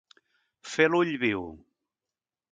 Fer l'ull viu.